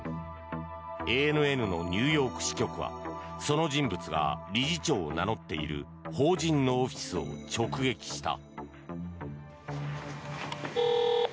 ＡＮＮのニューヨーク支局はその人物が理事長を名乗っている法人のオフィスを直撃した。